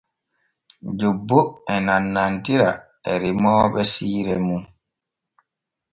Jobbo e nanantira e remooɓe siire nun.